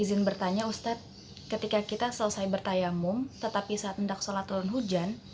izin bertanya ustadz ketika kita selesai bertayamum tetapi saat mendak sholat turun hujan